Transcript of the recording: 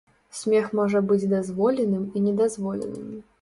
Смех можа быць дазволеным і недазволеным.